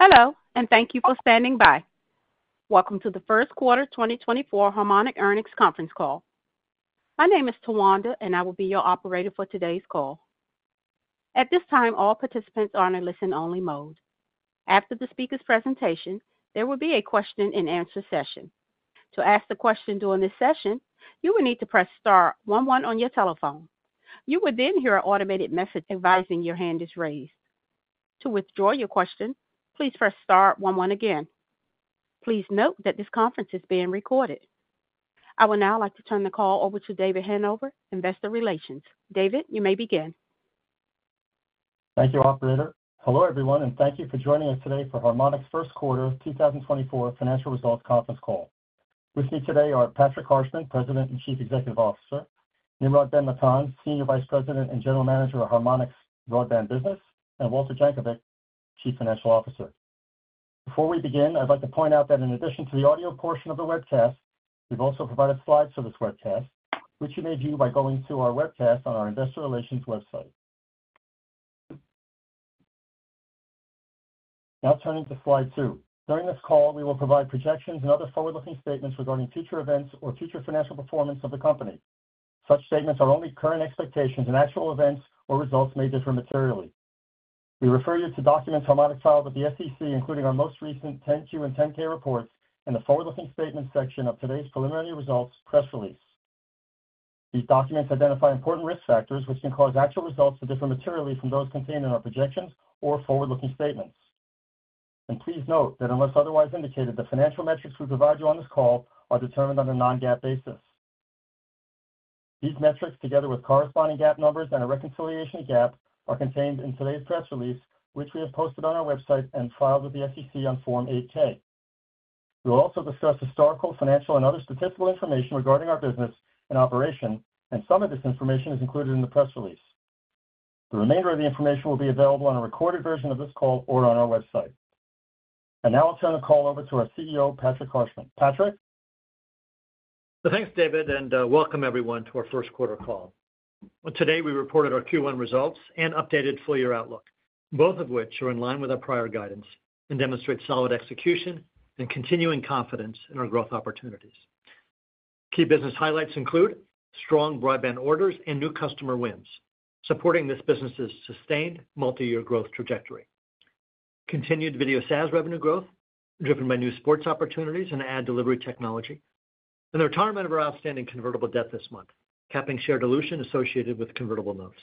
Hello, and thank you for standing by. Welcome to the First Quarter 2024 Harmonic Earnings Conference Call. My name is Tawanda, and I will be your operator for today's call. At this time, all participants are in a listen-only mode. After the speaker's presentation, there will be a question-and-answer session. To ask the question during this session, you will need to press star one one on your telephone. You will then hear an automated message advising your hand is raised. To withdraw your question, please press star one one again. Please note that this conference is being recorded. I would now like to turn the call over to David Hanover, Investor Relations. David, you may begin. Thank you, operator. Hello, everyone, and thank you for joining us today for Harmonic's first quarter 2024 financial results conference call. With me today are Patrick Harshman, President and Chief Executive Officer, Nimrod Ben-Natan, Senior Vice President and General Manager of Harmonic's broadband business, and Walter Jankovic, Chief Financial Officer. Before we begin, I'd like to point out that in addition to the audio portion of the webcast, we've also provided slides for this webcast, which you may view by going to our webcast on our Investor Relations website. Now turning to slide two. During this call, we will provide projections and other forward-looking statements regarding future events or future financial performance of the company. Such statements are only current expectations and actual events or results may differ materially. We refer you to documents Harmonic filed with the SEC, including our most recent 10-Q and 10-K reports and the forward-looking statements section of today's preliminary results press release. These documents identify important risk factors which can cause actual results to differ materially from those contained in our projections or forward-looking statements. Please note that unless otherwise indicated, the financial metrics we provide you on this call are determined on a non-GAAP basis. These metrics, together with corresponding GAAP numbers and a reconciliation of GAAP, are contained in today's press release, which we have posted on our website and filed with the SEC on Form 8-K. We will also discuss historical, financial, and other statistical information regarding our business and operation, and some of this information is included in the press release. The remainder of the information will be available on a recorded version of this call or on our website. And now I'll turn the call over to our CEO, Patrick Harshman. Patrick? Thanks, David, and welcome, everyone, to our first quarter call. Today, we reported our Q1 results and updated full-year outlook, both of which are in line with our prior guidance and demonstrate solid execution and continuing confidence in our growth opportunities. Key business highlights include strong broadband orders and new customer wins supporting this business's sustained multi-year growth trajectory, continued video SaaS revenue growth driven by new sports opportunities and ad delivery technology, and the retirement of our outstanding convertible debt this month, capping share dilution associated with convertible notes.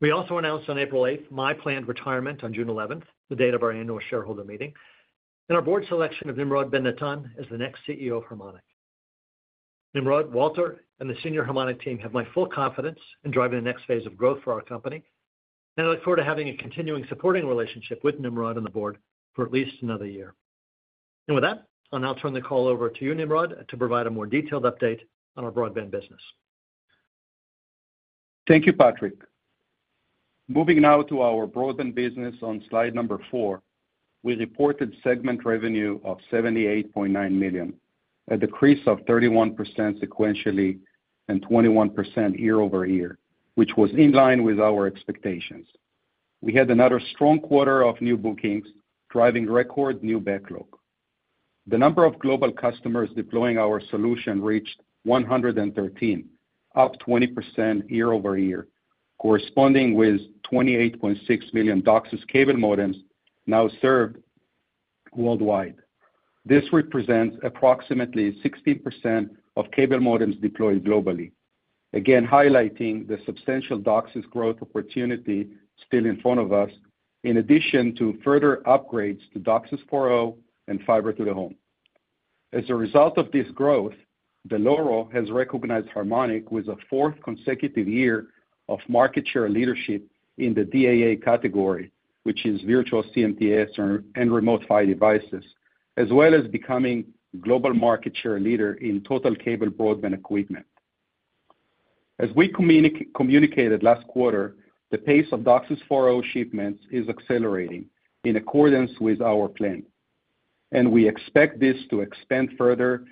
We also announced on April 8th my planned retirement on June 11th, the date of our annual shareholder meeting, and our board selection of Nimrod Ben-Natan as the next CEO of Harmonic. Nimrod, Walter, and the senior Harmonic team have my full confidence in driving the next phase of growth for our company, and I look forward to having a continuing supporting relationship with Nimrod on the board for at least another year. With that, I'll now turn the call over to you, Nimrod, to provide a more detailed update on our broadband business. Thank you, Patrick. Moving now to our broadband business on slide number four, we reported segment revenue of $78.9 million, a decrease of 31% sequentially and 21% year-over-year, which was in line with our expectations. We had another strong quarter of new bookings, driving record new backlog. The number of global customers deploying our solution reached 113, up 20% year-over-year, corresponding with 28.6 million DOCSIS cable modems now served worldwide. This represents approximately 16% of cable modems deployed globally, again highlighting the substantial DOCSIS growth opportunity still in front of us, in addition to further upgrades to DOCSIS 4.0 and fiber to the home. As a result of this growth, Dell'Oro Group has recognized Harmonic with a fourth consecutive year of market share leadership in the DAA category, which is virtual CMTS and remote PHY devices, as well as becoming global market share leader in total cable broadband equipment. As we communicated last quarter, the pace of DOCSIS 4.0 shipments is accelerating in accordance with our plan, and we expect this to expand further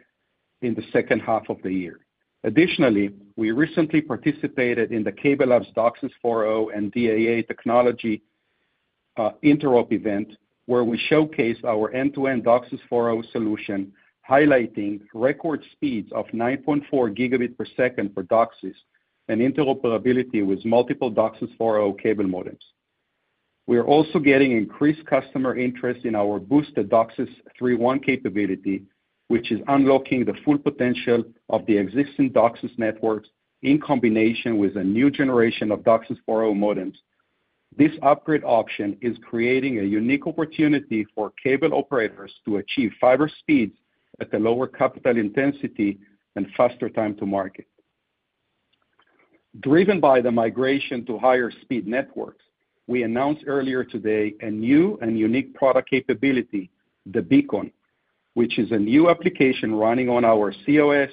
in the second half of the year. Additionally, we recently participated in the CableLabs DOCSIS 4.0 and DAA technology interop event, where we showcased our end-to-end DOCSIS 4.0 solution, highlighting record speeds of 9.4 gigabits per second for DOCSIS and interoperability with multiple DOCSIS 4.0 cable modems. We are also getting increased customer interest in our boosted DOCSIS 3.1 capability, which is unlocking the full potential of the existing DOCSIS networks in combination with a new generation of DOCSIS 4.0 modems. This upgrade option is creating a unique opportunity for cable operators to achieve fiber speeds at a lower capital intensity and faster time to market. Driven by the migration to higher-speed networks, we announced earlier today a new and unique product capability, the Beacon, which is a new application running on our cOS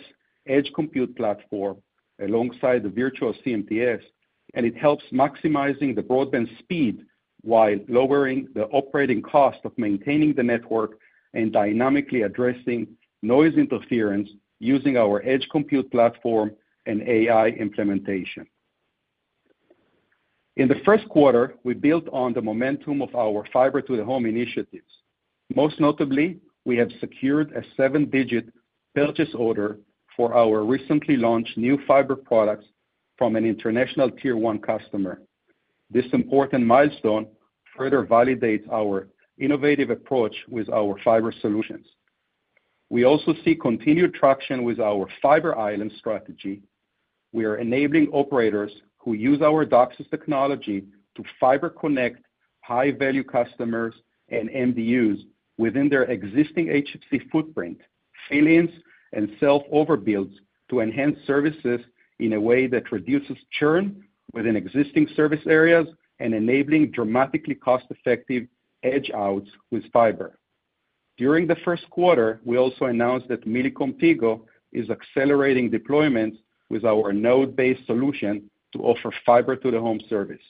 edge compute platform alongside the virtual CMTS, and it helps maximize the broadband speed while lowering the operating cost of maintaining the network and dynamically addressing noise interference using our edge compute platform and AI implementation. In the first quarter, we built on the momentum of our fiber to the home initiatives. Most notably, we have secured a seven-digit purchase order for our recently launched new fiber products from an international tier-one customer. This important milestone further validates our innovative approach with our fiber solutions. We also see continued traction with our fiber island strategy. We are enabling operators who use our DOCSIS technology to fiber-connect high-value customers and MDUs within their existing HFC footprint, affiliates, and self-overbuilds to enhance services in a way that reduces churn within existing service areas and enabling dramatically cost-effective edge-outs with fiber. During the first quarter, we also announced that Millicom Tigo is accelerating deployments with our node-based solution to offer fiber-to-the-home service.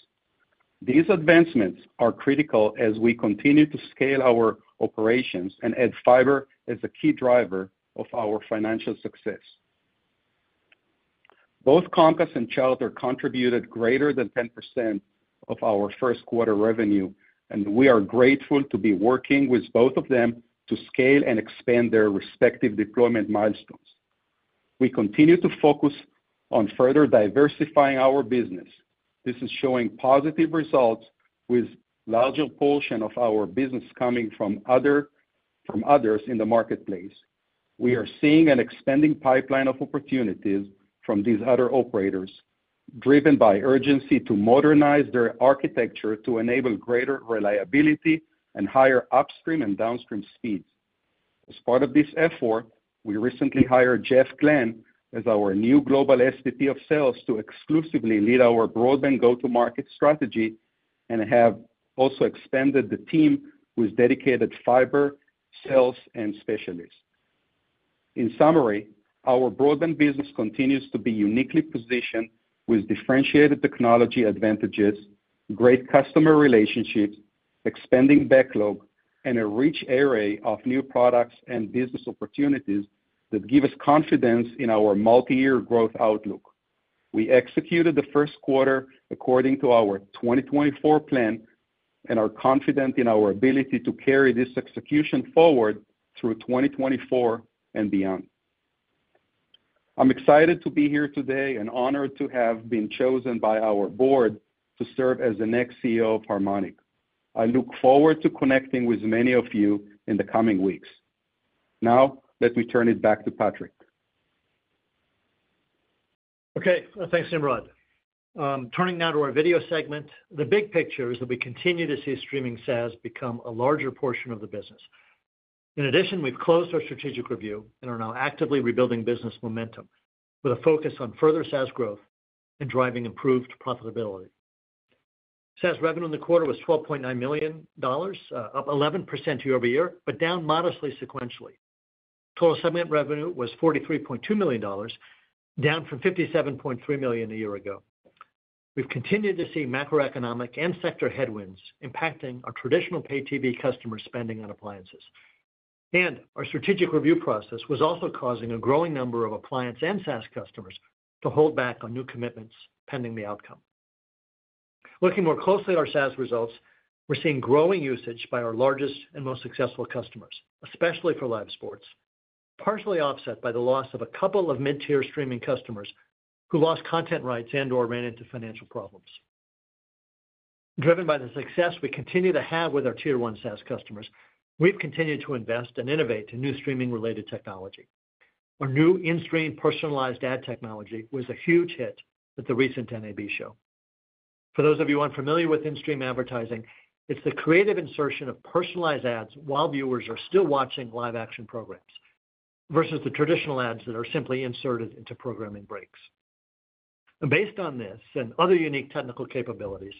These advancements are critical as we continue to scale our operations and add fiber as a key driver of our financial success. Both Comcast and Charter contributed greater than 10% of our first quarter revenue, and we are grateful to be working with both of them to scale and expand their respective deployment milestones. We continue to focus on further diversifying our business. This is showing positive results with a larger portion of our business coming from others in the marketplace. We are seeing an expanding pipeline of opportunities from these other operators, driven by urgency to modernize their architecture to enable greater reliability and higher upstream and downstream speeds. As part of this effort, we recently hired Jeffrey Glahn as our new global SVP of sales to exclusively lead our broadband go-to-market strategy and have also expanded the team with dedicated fiber sales and specialists. In summary, our broadband business continues to be uniquely positioned with differentiated technology advantages, great customer relationships, expanding backlog, and a rich array of new products and business opportunities that give us confidence in our multi-year growth outlook. We executed the first quarter according to our 2024 plan and are confident in our ability to carry this execution forward through 2024 and beyond. I'm excited to be here today and honored to have been chosen by our board to serve as the next CEO of Harmonic. I look forward to connecting with many of you in the coming weeks. Now let me turn it back to Patrick. Okay, thanks, Nimrod. Turning now to our video segment, the big picture is that we continue to see streaming SaaS become a larger portion of the business. In addition, we've closed our strategic review and are now actively rebuilding business momentum with a focus on further SaaS growth and driving improved profitability. SaaS revenue in the quarter was $12.9 million, up 11% year-over-year, but down modestly sequentially. Total segment revenue was $43.2 million, down from $57.3 million a year ago. We've continued to see macroeconomic and sector headwinds impacting our traditional pay-TV customer spending on appliances, and our strategic review process was also causing a growing number of appliance and SaaS customers to hold back on new commitments pending the outcome. Looking more closely at our SaaS results, we're seeing growing usage by our largest and most successful customers, especially for live sports, partially offset by the loss of a couple of mid-tier streaming customers who lost content rights and/or ran into financial problems. Driven by the success we continue to have with our tier-one SaaS customers, we've continued to invest and innovate in new streaming-related technology. Our new in-stream personalized ad technology was a huge hit at the recent NAB show. For those of you unfamiliar with in-stream advertising, it's the creative insertion of personalized ads while viewers are still watching live-action programs versus the traditional ads that are simply inserted into programming breaks. Based on this and other unique technical capabilities,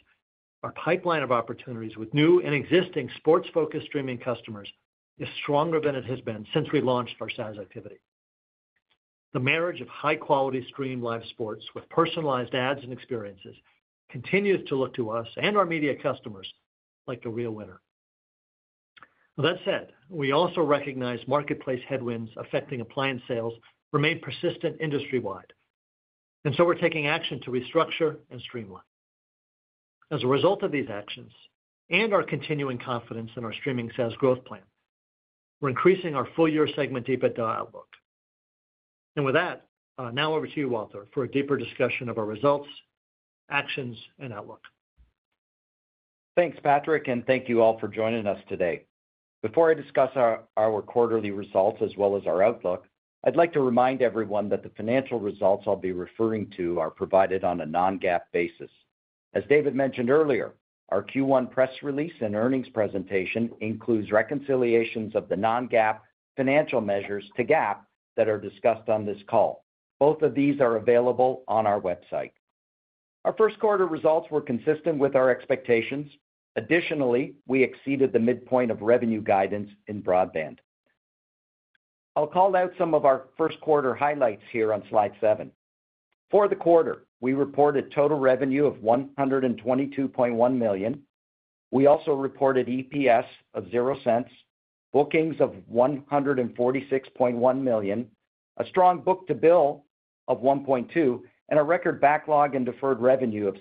our pipeline of opportunities with new and existing sports-focused streaming customers is stronger than it has been since we launched our SaaS activity. The marriage of high-quality stream live sports with personalized ads and experiences continues to look to us and our media customers like a real winner. That said, we also recognize marketplace headwinds affecting appliance sales remain persistent industry-wide, and so we're taking action to restructure and streamline. As a result of these actions and our continuing confidence in our streaming SaaS growth plan, we're increasing our full-year segment EBITDA outlook. With that, now over to you, Walter, for a deeper discussion of our results, actions, and outlook. Thanks, Patrick, and thank you all for joining us today. Before I discuss our quarterly results as well as our outlook, I'd like to remind everyone that the financial results I'll be referring to are provided on a non-GAAP basis. As David mentioned earlier, our Q1 press release and earnings presentation includes reconciliations of the non-GAAP financial measures to GAAP that are discussed on this call. Both of these are available on our website. Our first quarter results were consistent with our expectations. Additionally, we exceeded the midpoint of revenue guidance in broadband. I'll call out some of our first quarter highlights here on slide seven. For the quarter, we reported total revenue of $122.1 million. We also reported EPS of $0.00, bookings of $146.1 million, a strong book-to-bill of 1.2, and a record backlog in deferred revenue of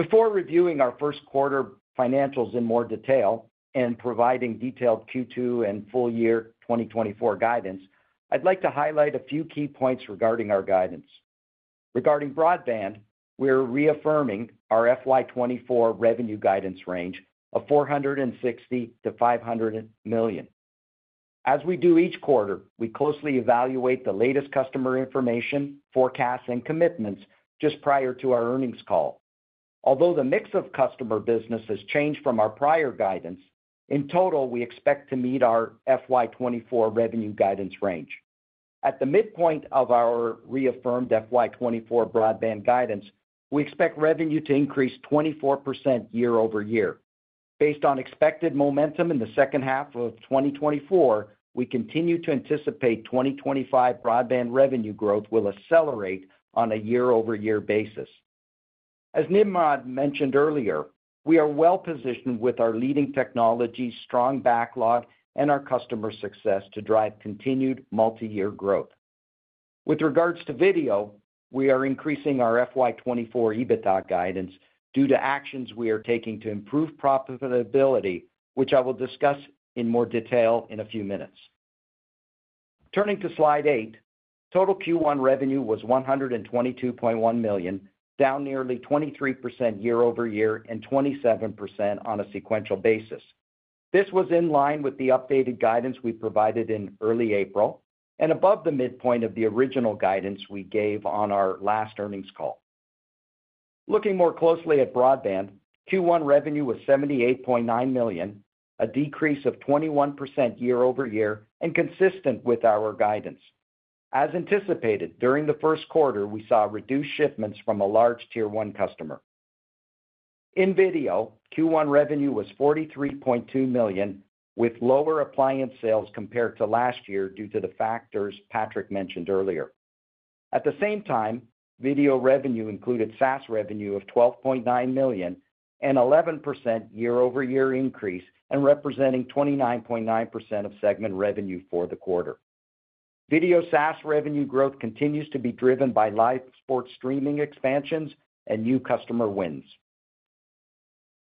$677.8 million. Before reviewing our first quarter financials in more detail and providing detailed Q2 and full-year 2024 guidance, I'd like to highlight a few key points regarding our guidance. Regarding broadband, we're reaffirming our FY24 revenue guidance range of $460 million-$500 million. As we do each quarter, we closely evaluate the latest customer information, forecasts, and commitments just prior to our earnings call. Although the mix of customer business has changed from our prior guidance, in total, we expect to meet our FY24 revenue guidance range. At the midpoint of our reaffirmed FY24 broadband guidance, we expect revenue to increase 24% year-over-year. Based on expected momentum in the second half of 2024, we continue to anticipate 2025 broadband revenue growth will accelerate on a year-over-year basis. As Nimrod mentioned earlier, we are well-positioned with our leading technology, strong backlog, and our customer success to drive continued multi-year growth. With regards to video, we are increasing our FY2024 EBITDA guidance due to actions we are taking to improve profitability, which I will discuss in more detail in a few minutes. Turning to slide eight, total Q1 revenue was $122.1 million, down nearly 23% year-over-year and 27% on a sequential basis. This was in line with the updated guidance we provided in early April and above the midpoint of the original guidance we gave on our last earnings call. Looking more closely at broadband, Q1 revenue was $78.9 million, a decrease of 21% year-over-year and consistent with our guidance. As anticipated, during the first quarter, we saw reduced shipments from a large tier-one customer. In video, Q1 revenue was $43.2 million, with lower appliance sales compared to last year due to the factors Patrick mentioned earlier. At the same time, video revenue included SaaS revenue of $12.9 million, an 11% year-over-year increase and representing 29.9% of segment revenue for the quarter. Video SaaS revenue growth continues to be driven by live sports streaming expansions and new customer wins.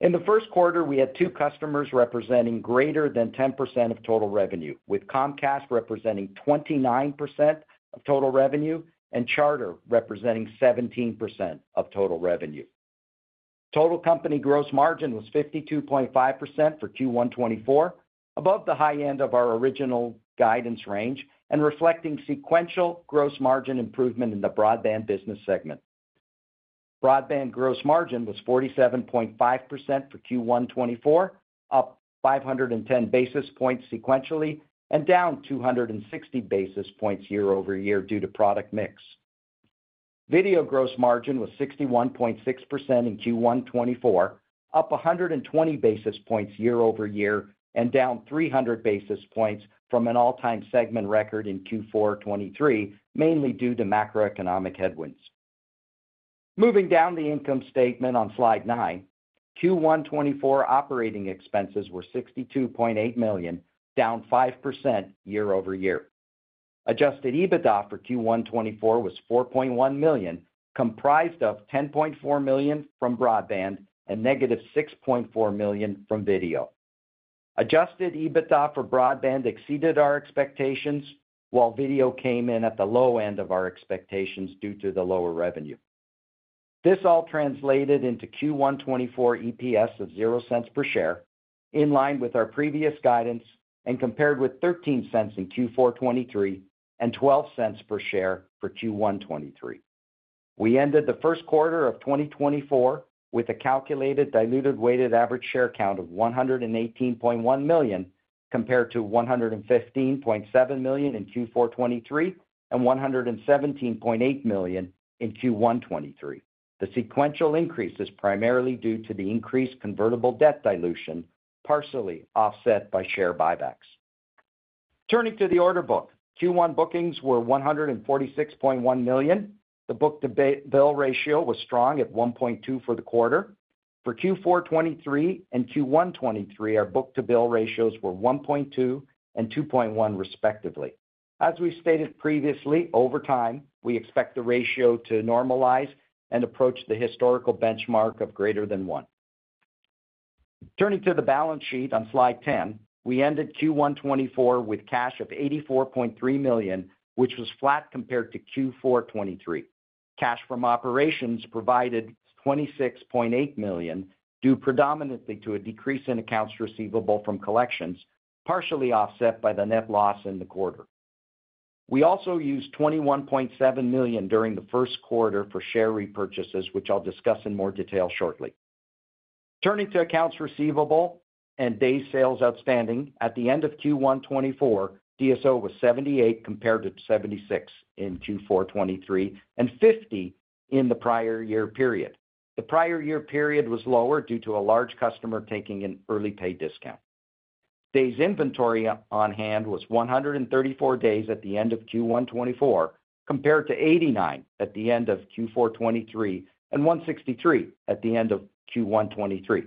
In the first quarter, we had two customers representing greater than 10% of total revenue, with Comcast representing 29% of total revenue and Charter representing 17% of total revenue. Total company gross margin was 52.5% for Q1 2024, above the high end of our original guidance range and reflecting sequential gross margin improvement in the broadband business segment. Broadband gross margin was 47.5% for Q1 2024, up 510 basis points sequentially and down 260 basis points year-over-year due to product mix. Video gross margin was 61.6% in Q1 2024, up 120 basis points year-over-year and down 300 basis points from an all-time segment record in Q4 2023, mainly due to macroeconomic headwinds. Moving down the income statement on slide 9, Q1 2024 operating expenses were $62.8 million, down 5% year-over-year. Adjusted EBITDA for Q1 2024 was $4.1 million, comprised of $10.4 million from broadband and -$6.4 million from video. Adjusted EBITDA for broadband exceeded our expectations, while video came in at the low end of our expectations due to the lower revenue. This all translated into Q1 2024 EPS of $0.00 per share, in line with our previous guidance and compared with $0.13 in Q4 2023 and $0.12 per share for Q1 2023. We ended the first quarter of 2024 with a calculated diluted weighted average share count of 118.1 million compared to 115.7 million in Q423 and 117.8 million in Q123. The sequential increase is primarily due to the increased convertible debt dilution, partially offset by share buybacks. Turning to the order book, Q1 bookings were $146.1 million. The book-to-bill ratio was strong at 1.2 for the quarter. For Q423 and Q123, our book-to-bill ratios were 1.2 and 2.1 respectively. As we stated previously, over time, we expect the ratio to normalize and approach the historical benchmark of greater than one. Turning to the balance sheet on slide 10, we ended Q124 with cash of $84.3 million, which was flat compared to Q423. Cash from operations provided $26.8 million due predominantly to a decrease in accounts receivable from collections, partially offset by the net loss in the quarter. We also used $21.7 million during the first quarter for share repurchases, which I'll discuss in more detail shortly. Turning to accounts receivable and days sales outstanding, at the end of Q1 2024, DSO was 78 compared to 76 in Q4 2023 and 50 in the prior year period. The prior year period was lower due to a large customer taking an early pay discount. Days inventory on hand was 134 days at the end of Q1 2024 compared to 89 at the end of Q4 2023 and 163 at the end of Q1 2023.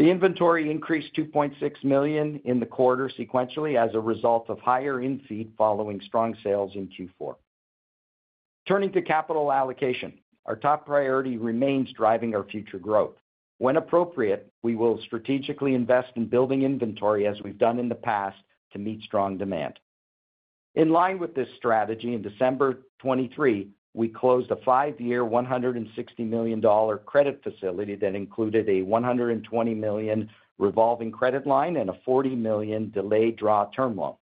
The inventory increased $2.6 million in the quarter sequentially as a result of higher infeed following strong sales in Q4. Turning to capital allocation, our top priority remains driving our future growth. When appropriate, we will strategically invest in building inventory as we've done in the past to meet strong demand. In line with this strategy, in December 2023, we closed a five-year $160 million credit facility that included a $120 million revolving credit line and a $40 million delayed draw term loan.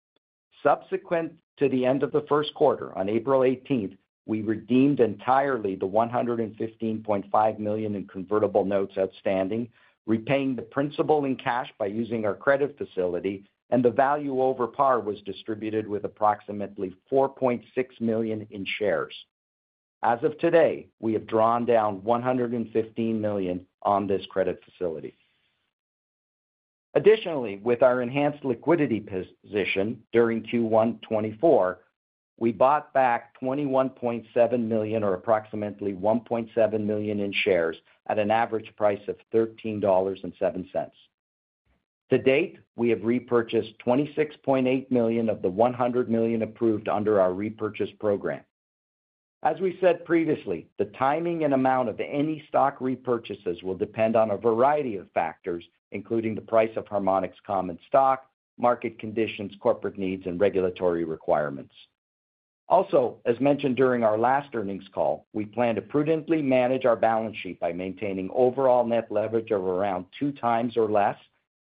Subsequent to the end of the first quarter, on April 18th, we redeemed entirely the $115.5 million in convertible notes outstanding, repaying the principal in cash by using our credit facility, and the value over par was distributed with approximately $4.6 million in shares. As of today, we have drawn down $115 million on this credit facility. Additionally, with our enhanced liquidity position during Q1 2024, we bought back $21.7 million or approximately 1.7 million shares at an average price of $13.07. To date, we have repurchased $26.8 million of the $100 million approved under our repurchase program. As we said previously, the timing and amount of any stock repurchases will depend on a variety of factors, including the price of Harmonic's common stock, market conditions, corporate needs, and regulatory requirements. Also, as mentioned during our last earnings call, we plan to prudently manage our balance sheet by maintaining overall net leverage of around 2x or less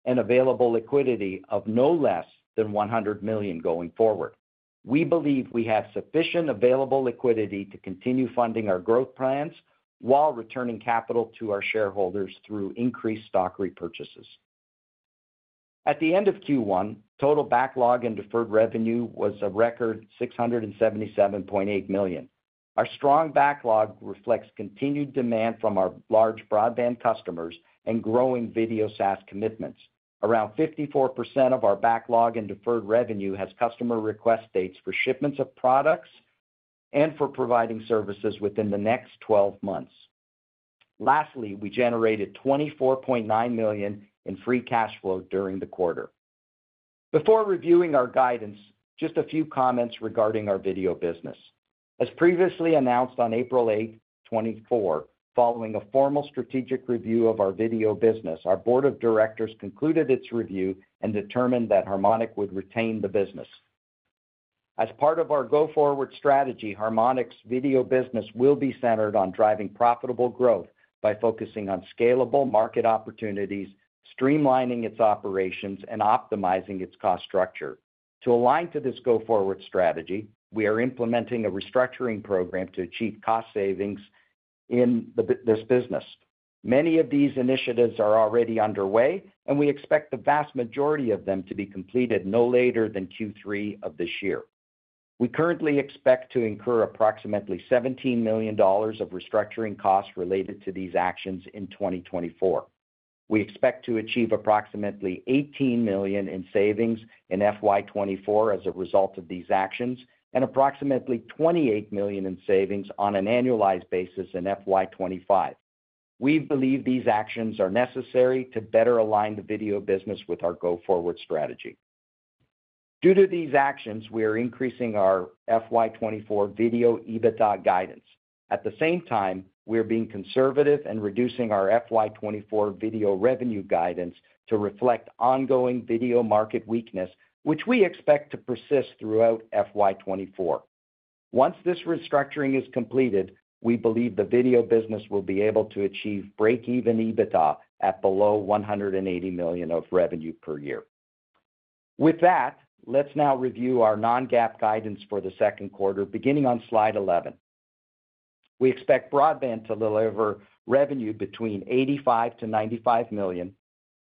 and available liquidity of no less than $100 million going forward. We believe we have sufficient available liquidity to continue funding our growth plans while returning capital to our shareholders through increased stock repurchases. At the end of Q1, total backlog and deferred revenue was a record $677.8 million. Our strong backlog reflects continued demand from our large broadband customers and growing video SaaS commitments. Around 54% of our backlog and deferred revenue has customer request dates for shipments of products and for providing services within the next 12 months. Lastly, we generated $24.9 million in free cash flow during the quarter. Before reviewing our guidance, just a few comments regarding our video business. As previously announced on April 8th, 2024, following a formal strategic review of our video business, our board of directors concluded its review and determined that Harmonic would retain the business. As part of our go-forward strategy, Harmonic's video business will be centered on driving profitable growth by focusing on scalable market opportunities, streamlining its operations, and optimizing its cost structure. To align to this go-forward strategy, we are implementing a restructuring program to achieve cost savings in this business. Many of these initiatives are already underway, and we expect the vast majority of them to be completed no later than Q3 of this year. We currently expect to incur approximately $17 million of restructuring costs related to these actions in 2024. We expect to achieve approximately $18 million in savings in FY24 as a result of these actions and approximately $28 million in savings on an annualized basis in FY25. We believe these actions are necessary to better align the video business with our go-forward strategy. Due to these actions, we are increasing our FY24 video EBITDA guidance. At the same time, we are being conservative and reducing our FY24 video revenue guidance to reflect ongoing video market weakness, which we expect to persist throughout FY24. Once this restructuring is completed, we believe the video business will be able to achieve break-even EBITDA at below $180 million of revenue per year. With that, let's now review our non-GAAP guidance for the second quarter, beginning on slide 11. We expect broadband to deliver revenue between $85 million-$95 million,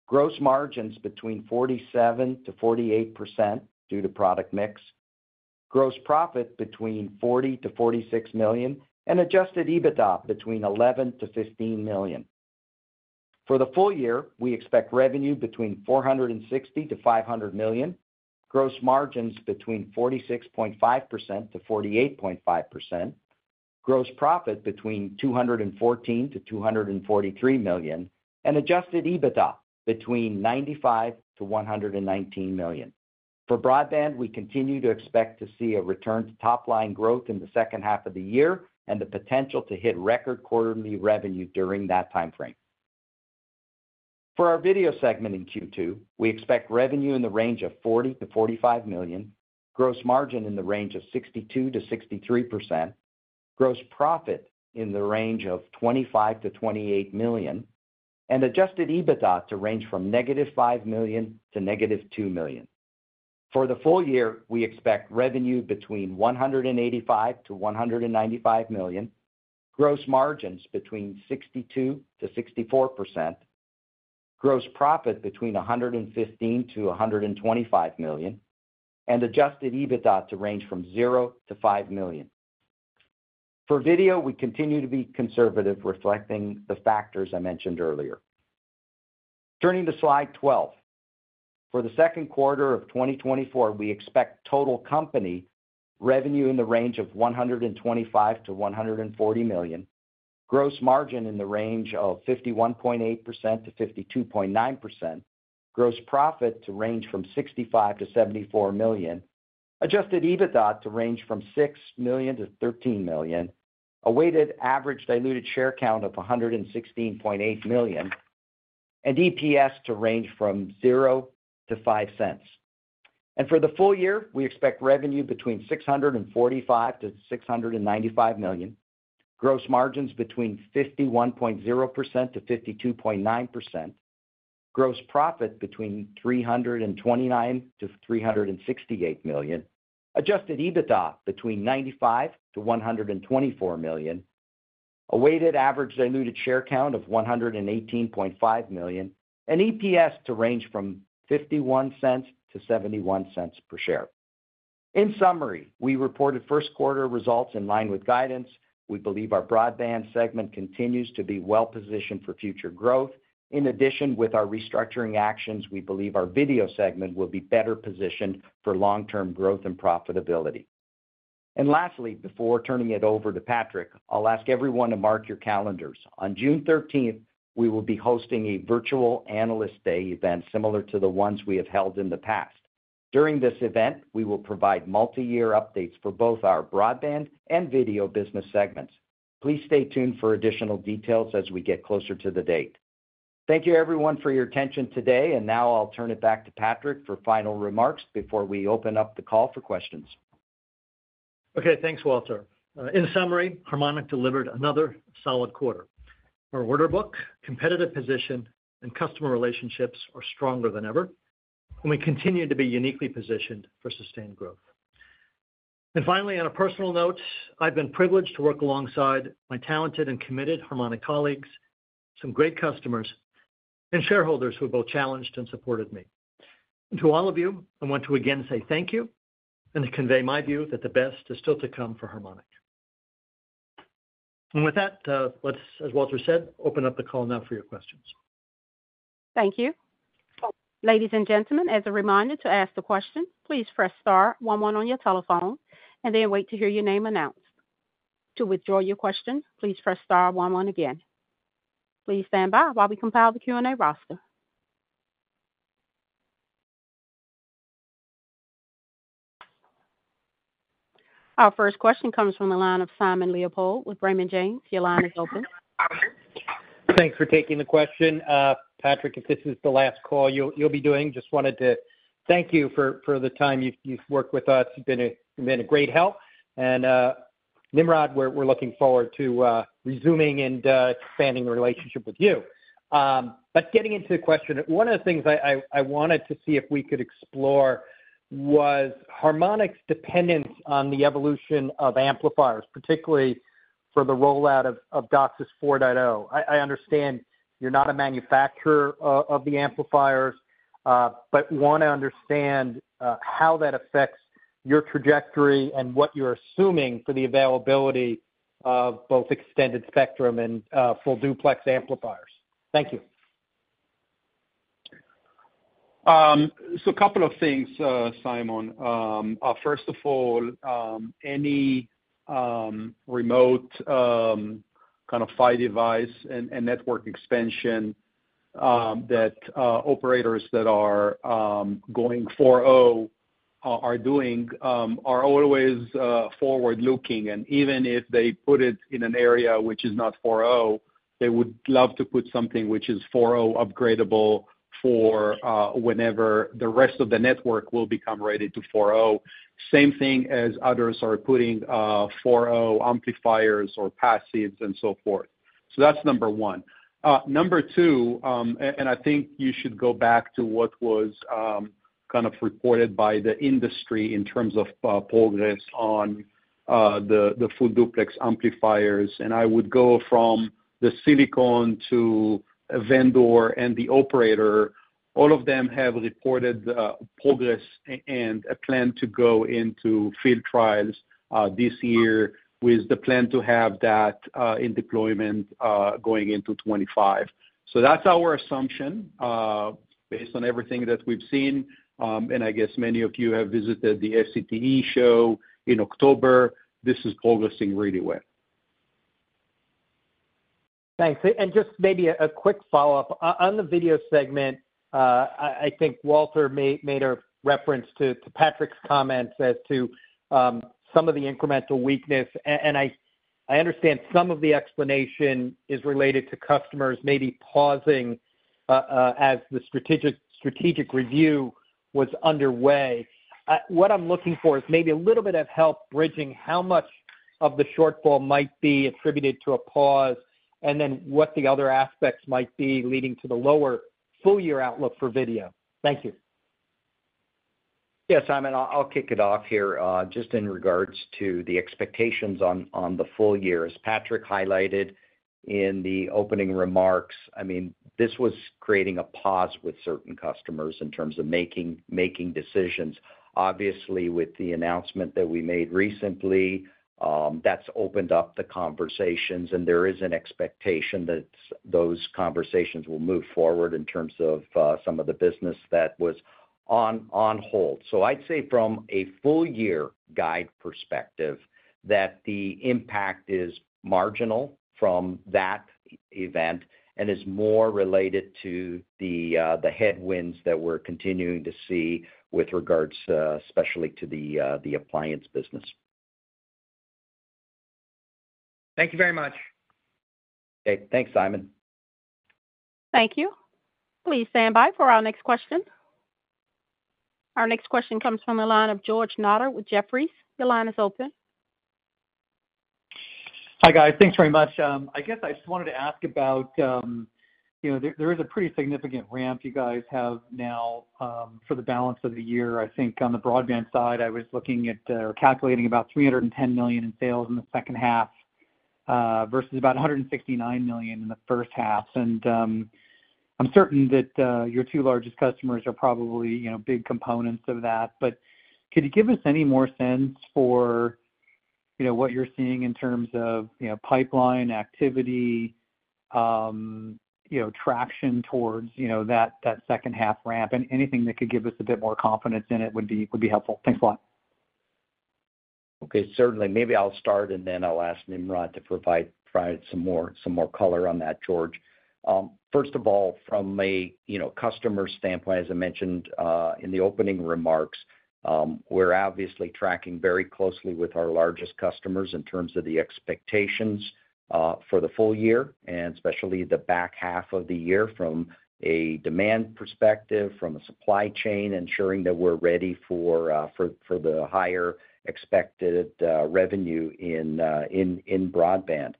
gross margins between 47%-48% due to product mix, gross profit between $40 million-$46 million, and Adjusted EBITDA between $11 million-$15 million. For the full year, we expect revenue between $460 million-$500 million, gross margins between 46.5%-48.5%, gross profit between $214 million-$243 million, and Adjusted EBITDA between $95 million-$119 million. For broadband, we continue to expect to see a return to top-line growth in the second half of the year and the potential to hit record quarterly revenue during that time frame. For our video segment in Q2, we expect revenue in the range of $40 million-$45 million, gross margin in the range of 62%-63%, gross profit in the range of $25-$28 million, and Adjusted EBITDA to range from -$5 million to -$2 million. For the full year, we expect revenue between $185 million-$195 million, gross margins between 62%-64%, gross profit between $115 million-$125 million, and Adjusted EBITDA to range from $0 million-$5 million. For video, we continue to be conservative, reflecting the factors I mentioned earlier. Turning to Slide 12. For the second quarter of 2024, we expect total company revenue in the range of $125 million-$140 million, gross margin in the range of 51.8%-52.9%, gross profit to range from $65 million-$74 million, Adjusted EBITDA to range from $6 million-$13 million, a weighted average diluted share count of $116.8 million, and EPS to range from $0-$0.05. For the full year, we expect revenue between $645 million-$695 million, gross margins between 51.0%-52.9%, gross profit between $329 million-$368 million, adjusted EBITDA between $95 million-$124 million, a weighted average diluted share count of $118.5 million, and EPS to range from $0.51-$0.71 per share. In summary, we reported first quarter results in line with guidance. We believe our broadband segment continues to be well-positioned for future growth. In addition, with our restructuring actions, we believe our video segment will be better positioned for long-term growth and profitability. And lastly, before turning it over to Patrick, I'll ask everyone to mark your calendars. On June 13th, we will be hosting a virtual analyst day event similar to the ones we have held in the past. During this event, we will provide multi-year updates for both our broadband and video business segments. Please stay tuned for additional details as we get closer to the date. Thank you, everyone, for your attention today, and now I'll turn it back to Patrick for final remarks before we open up the call for questions. Okay, thanks, Walter. In summary, Harmonic delivered another solid quarter. Our order book, competitive position, and customer relationships are stronger than ever, and we continue to be uniquely positioned for sustained growth. Finally, on a personal note, I've been privileged to work alongside my talented and committed Harmonic colleagues, some great customers, and shareholders who have both challenged and supported me. To all of you, I want to again say thank you and to convey my view that the best is still to come for Harmonic. With that, let's, as Walter said, open up the call now for your questions. Thank you. Ladies and gentlemen, as a reminder to ask the question, please press star 11 on your telephone and then wait to hear your name announced. To withdraw your question, please press star 11 again. Please stand by while we compile the Q&A roster. Our first question comes from the line of Simon Leopold with Raymond James. Your line is open. Thanks for taking the question. Patrick, if this is the last call you'll be doing, just wanted to thank you for the time you've worked with us. You've been a great help. And Nimrod, we're looking forward to resuming and expanding the relationship with you. But getting into the question, one of the things I wanted to see if we could explore was Harmonic's dependence on the evolution of amplifiers, particularly for the rollout of DOCSIS 4.0. I understand you're not a manufacturer of the amplifiers, but want to understand how that affects your trajectory and what you're assuming for the availability of both extended spectrum and full duplex amplifiers. Thank you. So a couple of things, Simon. First of all, any remote kind of PHY device and network expansion that operators that are going 4.0 are doing are always forward-looking. And even if they put it in an area which is not 4.0, they would love to put something which is 4.0 upgradable for whenever the rest of the network will become ready to 4.0. Same thing as others are putting 4.0 amplifiers or passives and so forth. So that's number one. Number two, and I think you should go back to what was kind of reported by the industry in terms of progress on the full duplex amplifiers, and I would go from the silicon to a vendor and the operator. All of them have reported progress and a plan to go into field trials this year with the plan to have that in deployment going into 2025. So that's our assumption based on everything that we've seen. And I guess many of you have visited the SCTE show in October. This is progressing really well. Thanks. And just maybe a quick follow-up. On the video segment, I think Walter made a reference to Patrick's comments as to some of the incremental weakness. And I understand some of the explanation is related to customers maybe pausing as the strategic review was underway. What I'm looking for is maybe a little bit of help bridging how much of the shortfall might be attributed to a pause and then what the other aspects might be leading to the lower full-year outlook for video. Thank you. Yeah, Simon, I'll kick it off here just in regards to the expectations on the full year. As Patrick highlighted in the opening remarks, I mean, this was creating a pause with certain customers in terms of making decisions. Obviously, with the announcement that we made recently, that's opened up the conversations, and there is an expectation that those conversations will move forward in terms of some of the business that was on hold. So I'd say from a full-year guide perspective, that the impact is marginal from that event and is more related to the headwinds that we're continuing to see with regards, especially to the appliance business. Thank you very much. Okay, thanks, Simon. Thank you. Please stand by for our next question. Our next question comes from the line of George Notter with Jefferies. Your line is open. Hi, guys. Thanks very much. I guess I just wanted to ask about there is a pretty significant ramp you guys have now for the balance of the year. I think on the broadband side, I was looking at or calculating about $310 million in sales in the second half versus about $169 million in the first half. And I'm certain that your two largest customers are probably big components of that. But could you give us any more sense for what you're seeing in terms of pipeline activity, traction towards that second-half ramp? Anything that could give us a bit more confidence in it would be helpful. Thanks a lot. Okay, certainly. Maybe I'll start, and then I'll ask Nimrod to provide some more color on that, George. First of all, from a customer standpoint, as I mentioned in the opening remarks, we're obviously tracking very closely with our largest customers in terms of the expectations for the full year and especially the back half of the year from a demand perspective, from a supply chain, ensuring that we're ready for the higher expected revenue in broadband.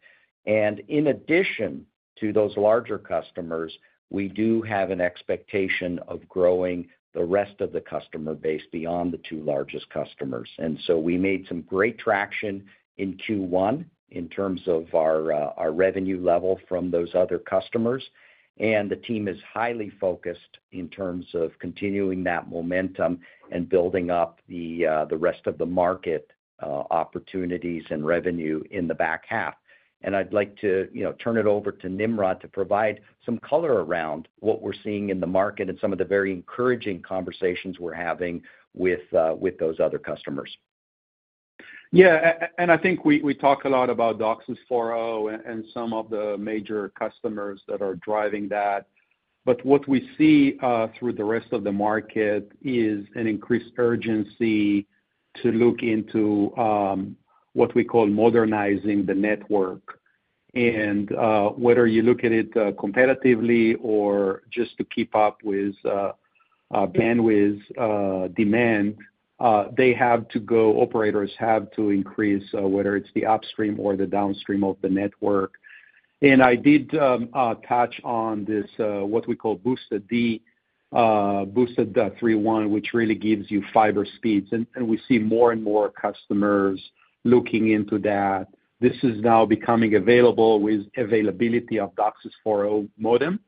In addition to those larger customers, we do have an expectation of growing the rest of the customer base beyond the two largest customers. So we made some great traction in Q1 in terms of our revenue level from those other customers. The team is highly focused in terms of continuing that momentum and building up the rest of the market opportunities and revenue in the back half. And I'd like to turn it over to Nimrod to provide some color around what we're seeing in the market and some of the very encouraging conversations we're having with those other customers. Yeah, and I think we talk a lot about DOCSIS 4.0 and some of the major customers that are driving that. But what we see through the rest of the market is an increased urgency to look into what we call modernizing the network. And whether you look at it competitively or just to keep up with bandwidth demand, operators have to increase whether it's the upstream or the downstream of the network. And I did touch on this, what we call boosted DOCSIS 3.1, which really gives you fiber speeds. And we see more and more customers looking into that. This is now becoming available with availability of DOCSIS 4.0 modem.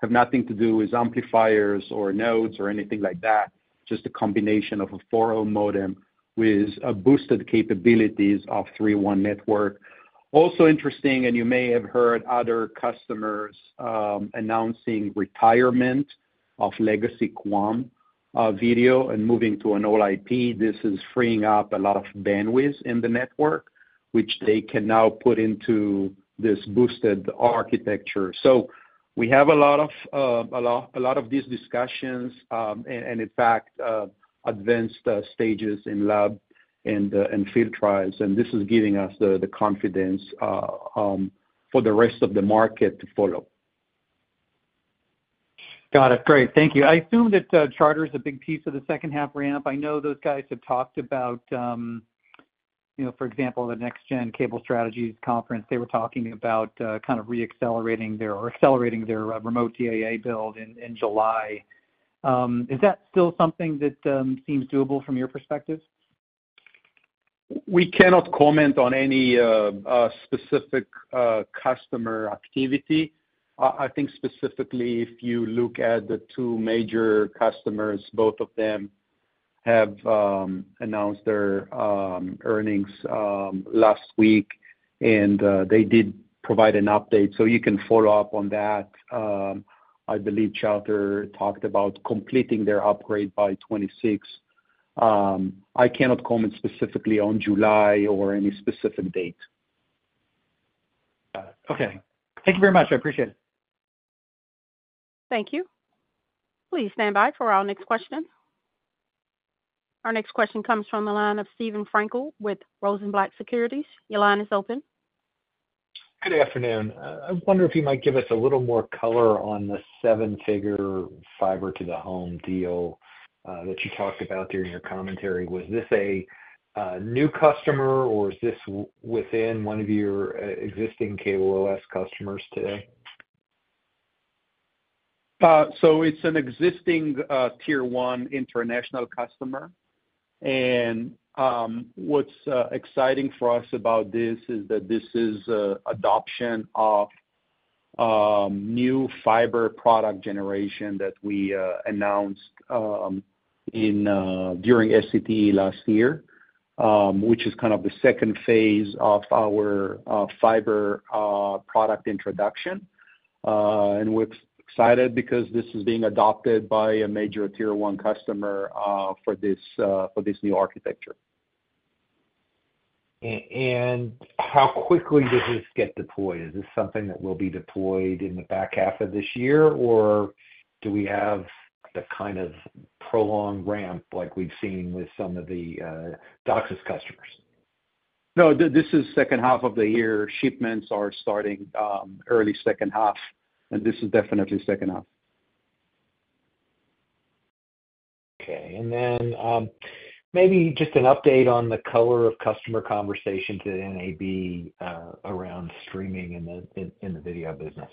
Has nothing to do with amplifiers or nodes or anything like that, just a combination of a 4.0 modem with boosted capabilities of 3.1 network. Also interesting, and you may have heard other customers announcing retirement of legacy QAM video and moving to all IP. This is freeing up a lot of bandwidth in the network, which they can now put into this boosted architecture. So we have a lot of a lot of these discussions and, in fact, advanced stages in lab and field trials. And this is giving us the confidence for the rest of the market to follow. Got it. Great. Thank you. I assume that Charter is a big piece of the second-half ramp. I know those guys have talked about, for example, the NextGen Cable Strategies Conference. They were talking about kind of reaccelerating their or accelerating their remote DAA build in July. Is that still something that seems doable from your perspective? We cannot comment on any specific customer activity. I think specifically, if you look at the two major customers, both of them have announced their earnings last week, and they did provide an update. So you can follow up on that. I believe Charter talked about completing their upgrade by 2026. I cannot comment specifically on July or any specific date. Got it. Okay. Thank you very much. I appreciate it. Thank you. Please stand by for our next question. Our next question comes from the line of Steven Frankel with Rosenblatt Securities. Your line is open. Good afternoon. I wonder if you might give us a little more color on the seven-figure fiber-to-the-home deal that you talked about there in your commentary. Was this a new customer, or is this within one of your existing CableOS customers today? So it's an existing Tier 1 international customer. And what's exciting for us about this is that this is adoption of new fiber product generation that we announced during SCTE last year, which is kind of the second phase of our fiber product introduction. And we're excited because this is being adopted by a major Tier 1 customer for this new architecture. And how quickly does this get deployed? Is this something that will be deployed in the back half of this year, or do we have the kind of prolonged ramp like we've seen with some of the DOCSIS customers? No, this is second half of the year. Shipments are starting early second half, and this is definitely second half. Okay. And then maybe just an update on the color of customer conversations at NAB around streaming in the video business.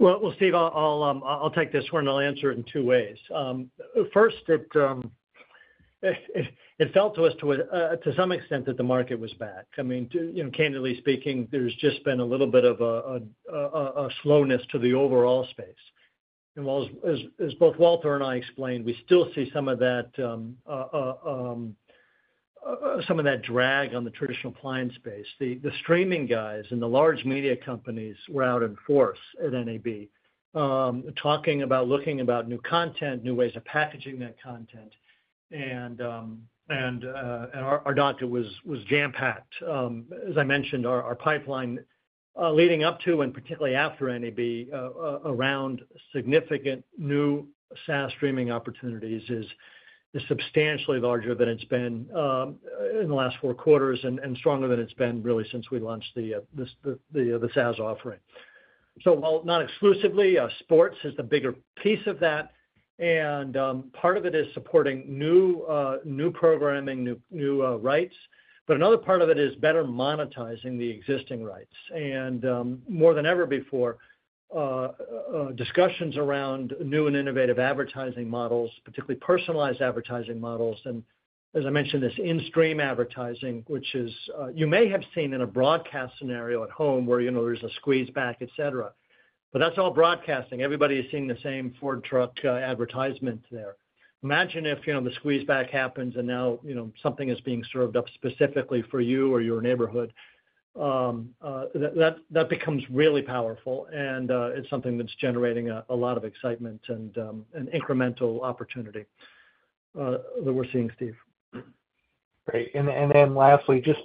Well, Steve, I'll take this one, and I'll answer it in two ways. First, it felt to us to some extent that the market was back. I mean, candidly speaking, there's just been a little bit of a slowness to the overall space. And as both Walter and I explained, we still see some of that drag on the traditional appliance space. The streaming guys and the large media companies were out in force at NAB talking about looking about new content, new ways of packaging that content. And our booth was jam-packed. As I mentioned, our pipeline leading up to and particularly after NAB around significant new SaaS streaming opportunities is substantially larger than it's been in the last four quarters and stronger than it's been really since we launched the SaaS offering. So while not exclusively, sports is the bigger piece of that. And part of it is supporting new programming, new rights. But another part of it is better monetizing the existing rights. And more than ever before, discussions around new and innovative advertising models, particularly personalized advertising models, and as I mentioned, this in-stream advertising, which you may have seen in a broadcast scenario at home where there's a squeeze back, etc. But that's all broadcasting. Everybody is seeing the same Ford truck advertisement there. Imagine if the squeeze back happens and now something is being served up specifically for you or your neighborhood. That becomes really powerful. And it's something that's generating a lot of excitement and incremental opportunity that we're seeing, Steve. Great. And then lastly, just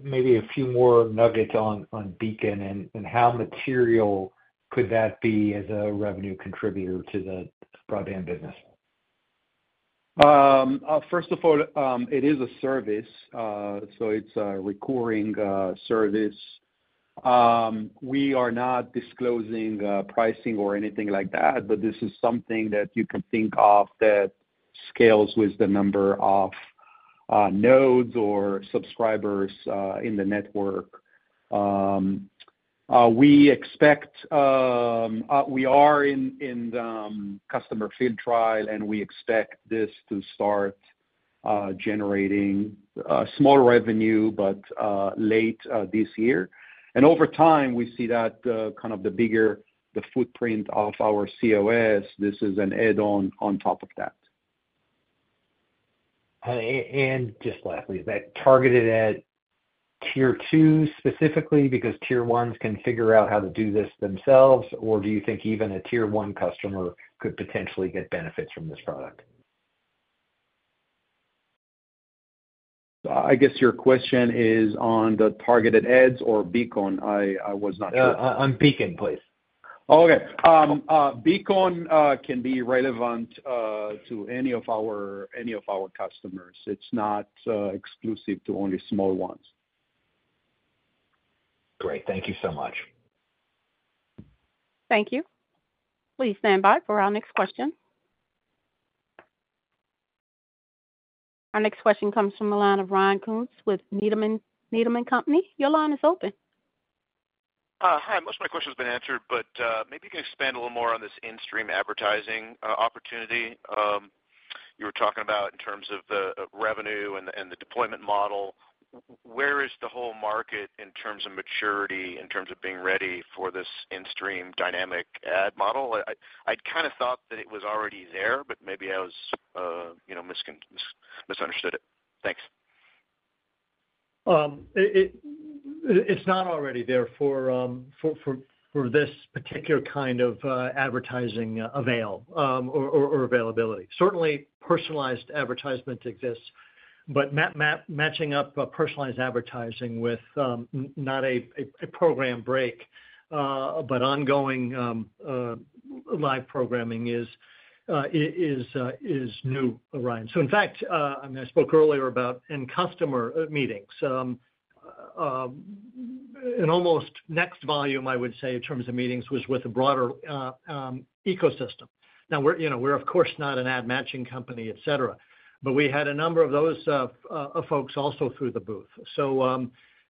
maybe a few more nuggets on Beacon and how material could that be as a revenue contributor to the broadband business? First of all, it is a service. So it's a recurring service. We are not disclosing pricing or anything like that, but this is something that you can think of that scales with the number of nodes or subscribers in the network. We are in the customer field trial, and we expect this to start generating small revenue but late this year. And over time, we see that kind of the footprint of our cOS, this is an add-on on top of that. And just lastly, is that targeted at tier two specifically because tier ones can figure out how to do this themselves, or do you think even a tier one customer could potentially get benefits from this product? I guess your question is on the targeted ads or Beacon. I was not sure. Yeah, on Beacon, please. Oh, okay. Beacon can be relevant to any of our customers. It's not exclusive to only small ones. Great. Thank you so much. Thank you. Please stand by for our next question. Our next question comes from the line of Ryan Koontz with Needham & Company. Your line is open. Hi. Most of my questions have been answered, but maybe you can expand a little more on this in-stream advertising opportunity you were talking about in terms of the revenue and the deployment model. Where is the whole market in terms of maturity, in terms of being ready for this in-stream dynamic ad model? I'd kind of thought that it was already there, but maybe I was misunderstood. Thanks. It's not already there for this particular kind of advertising avail or availability. Certainly, personalized advertisement exists, but matching up personalized advertising with not a program break, but ongoing live programming is new, Ryan. So in fact, I mean, I spoke earlier about in-customer meetings. An almost next volume, I would say, in terms of meetings was with a broader ecosystem. Now, we're, of course, not an ad matching company, etc. But we had a number of those folks also through the booth. So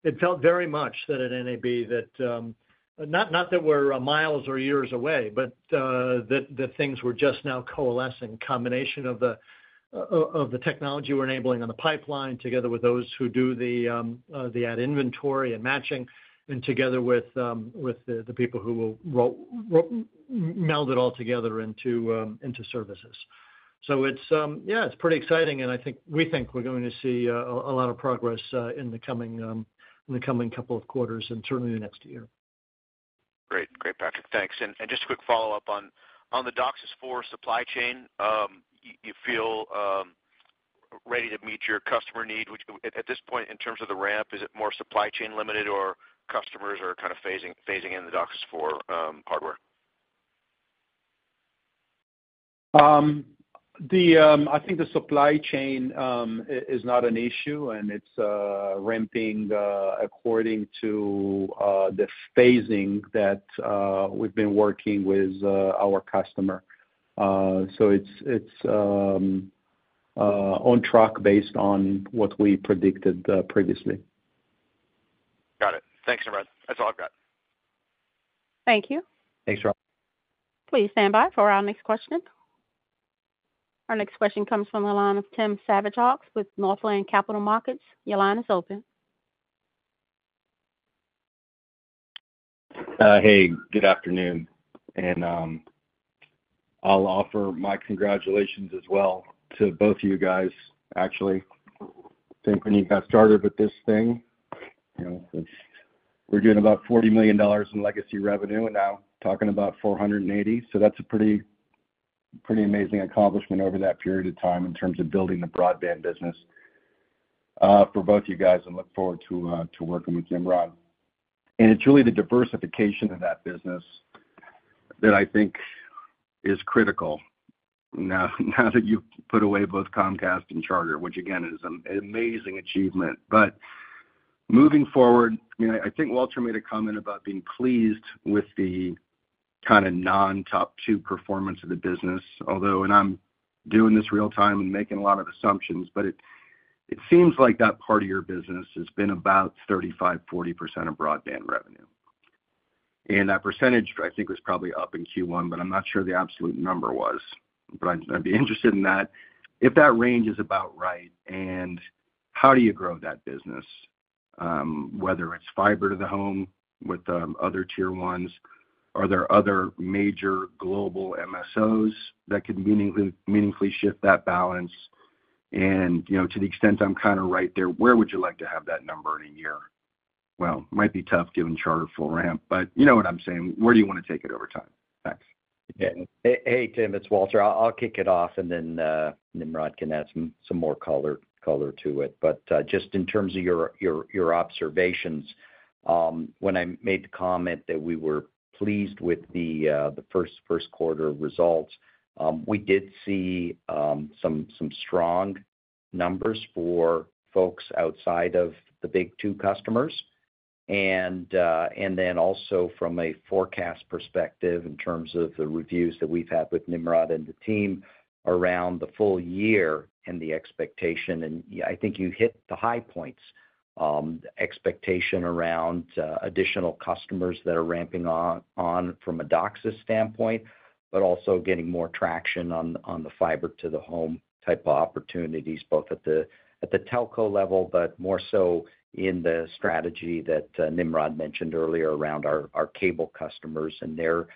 it felt very much that at NAB that not that we're miles or years away, but that things were just now coalescing, combination of the technology we're enabling on the pipeline together with those who do the ad inventory and matching and together with the people who will meld it all together into services. So yeah, it's pretty exciting. And I think we think we're going to see a lot of progress in the coming couple of quarters and certainly the next year. Great. Great, Patrick. Thanks. And just a quick follow-up on the DOCSIS 4.0 supply chain. You feel ready to meet your customer need at this point in terms of the ramp. Is it more supply chain-limited, or customers are kind of phasing in the DOCSIS 4.0 hardware? I think the supply chain is not an issue, and it's ramping according to the phasing that we've been working with our customer. So it's on track based on what we predicted previously. Got it. Thanks, Nimrod. That's all I've got. Thank you. Thanks, Charles. Please stand by for our next question. Our next question comes from the line of Tim Savageaux with Northland Capital Markets. Your line is open. Hey, good afternoon. I'll offer my congratulations as well to both of you guys, actually. I think when you got started with this thing, we're doing about $40 million in legacy revenue and now talking about $480. So that's a pretty amazing accomplishment over that period of time in terms of building the broadband business for both of you guys. And look forward to working with Nimrod. And it's really the diversification of that business that I think is critical now that you've put away both Comcast and Charter, which, again, is an amazing achievement. But moving forward, I mean, I think Walter made a comment about being pleased with the kind of non-top two performance of the business, although and I'm doing this real-time and making a lot of assumptions, but it seems like that part of your business has been about 35%-40% of broadband revenue. And that percentage, I think, was probably up in Q1, but I'm not sure the absolute number was. But I'd be interested in that. If that range is about right, and how do you grow that business, whether it's fiber to the home with other tier ones? Are there other major global MSOs that could meaningfully shift that balance? And to the extent I'm kind of right there, where would you like to have that number in a year? Well, it might be tough given Charter full ramp, but you know what I'm saying. Where do you want to take it over time? Thanks. Hey, Tim. It's Walter. I'll kick it off, and then Nimrod can add some more color to it. But just in terms of your observations, when I made the comment that we were pleased with the first quarter results, we did see some strong numbers for folks outside of the big two customers. And then also from a forecast perspective in terms of the reviews that we've had with Nimrod and the team around the full year and the expectation and I think you hit the high points, expectation around additional customers that are ramping on from a DOCSIS standpoint, but also getting more traction on the fiber-to-the-home type of opportunities, both at the telco level, but more so in the strategy that Nimrod mentioned earlier around our cable customers and their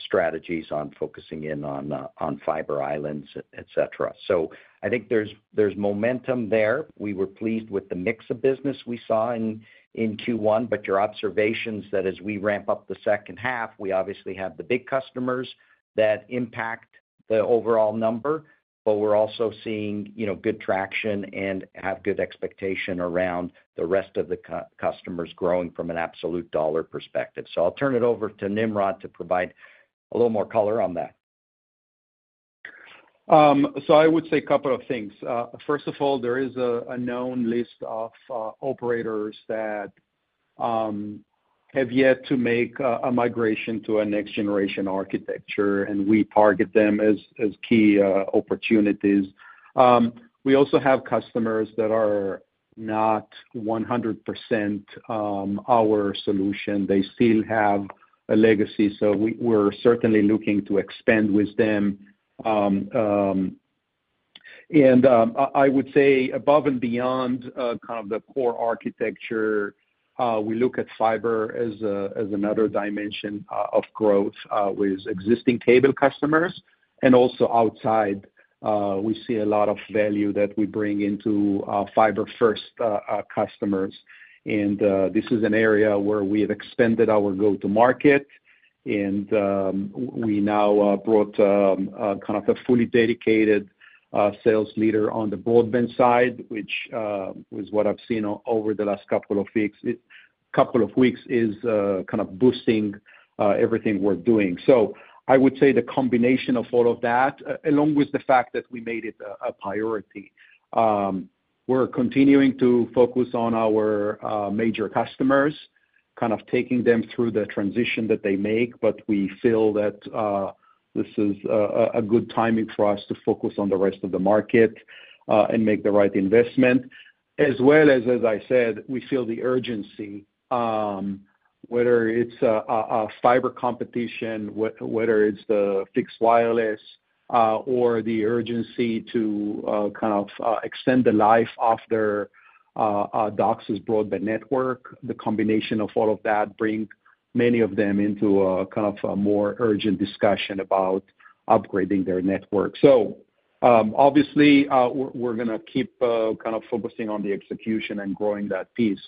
strategies on focusing in on fiber islands, etc. So I think there's momentum there. We were pleased with the mix of business we saw in Q1. But your observations that as we ramp up the second half, we obviously have the big customers that impact the overall number, but we're also seeing good traction and have good expectation around the rest of the customers growing from an absolute dollar perspective. So I'll turn it over to Nimrod to provide a little more color on that. So I would say a couple of things. First of all, there is a known list of operators that have yet to make a migration to a next-generation architecture, and we target them as key opportunities. We also have customers that are not 100% our solution. They still have a legacy. So we're certainly looking to expand with them. And I would say above and beyond kind of the core architecture, we look at fiber as another dimension of growth with existing cable customers. And also outside, we see a lot of value that we bring into fiber-first customers. And this is an area where we have expanded our go-to-market. We now brought kind of a fully dedicated sales leader on the broadband side, which is what I've seen over the last couple of weeks, is kind of boosting everything we're doing. So I would say the combination of all of that, along with the fact that we made it a priority, we're continuing to focus on our major customers, kind of taking them through the transition that they make. But we feel that this is a good timing for us to focus on the rest of the market and make the right investment. As well as, as I said, we feel the urgency, whether it's fiber competition, whether it's the fixed wireless, or the urgency to kind of extend the life of their DOCSIS broadband network. The combination of all of that brings many of them into kind of a more urgent discussion about upgrading their network. So obviously, we're going to keep kind of focusing on the execution and growing that piece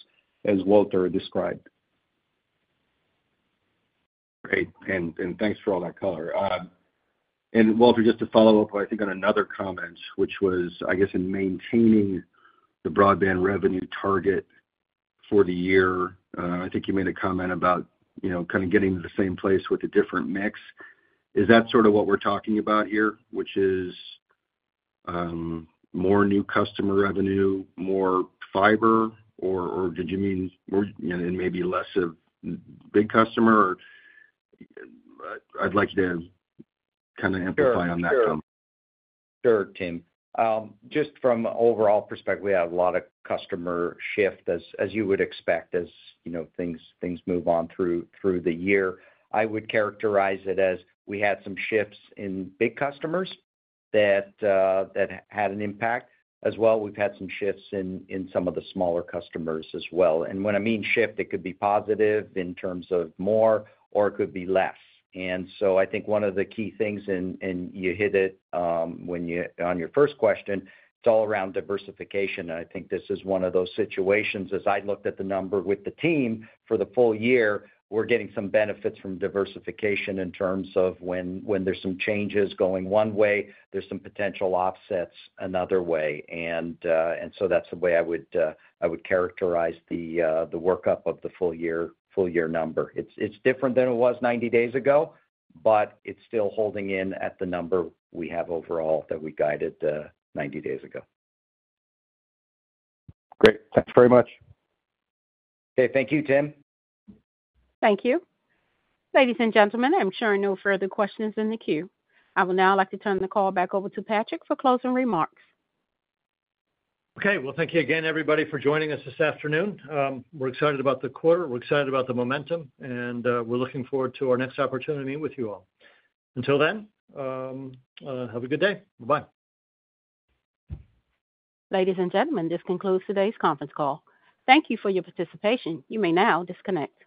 as Walter described. Great. And thanks for all that color. And Walter, just to follow up, I think on another comment, which was, I guess, in maintaining the broadband revenue target for the year, I think you made a comment about kind of getting to the same place with a different mix. Is that sort of what we're talking about here, which is more new customer revenue, more fiber, or did you mean and maybe less of big customer? I'd like you to kind of amplify on that comment. Sure, Tim. Just from an overall perspective, we have a lot of customer shift as you would expect as things move on through the year. I would characterize it as we had some shifts in big customers that had an impact as well. We've had some shifts in some of the smaller customers as well. And when I mean shift, it could be positive in terms of more, or it could be less. And so I think one of the key things - and you hit it on your first question - it's all around diversification. And I think this is one of those situations as I looked at the number with the team for the full year, we're getting some benefits from diversification in terms of when there's some changes going one way, there's some potential offsets another way. And so that's the way I would characterize the workup of the full-year number. It's different than it was 90 days ago, but it's still holding in at the number we have overall that we guided 90 days ago. Great. Thanks very much. Okay. Thank you, Tim. Thank you. Ladies and gentlemen, I'm sure no further questions in the queue. I will now like to turn the call back over to Patrick for closing remarks. Okay. Well, thank you again, everybody, for joining us this afternoon. We're excited about the quarter. We're excited about the momentum. And we're looking forward to our next opportunity to meet with you all. Until then, have a good day. Bye-bye. Ladies and gentlemen, this concludes today's conference call. Thank you for your participation. You may now disconnect.